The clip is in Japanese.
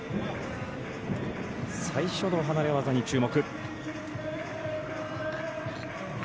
最初の離れ技に注目。